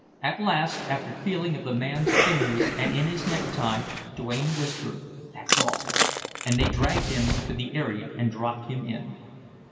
At last, after feeling of the man's fingers and in his necktie, Duane whispered, "That's all!" and they dragged him to the area and dropped him in.